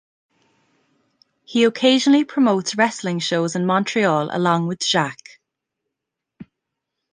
He occasionally promotes wrestling shows in Montreal along with Jacques.